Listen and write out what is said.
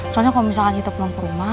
soalnya kalau misalkan kita pulang ke rumah